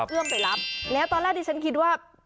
เอื้อมไปรับแล้วตอนแรกที่ฉันคิดว่า